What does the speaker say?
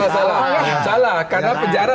salah karena penjara